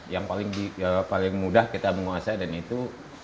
yang paling mudah kita menguasai dan itu